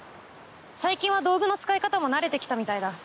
最近は道具の使い方も慣れてきたみたいだ。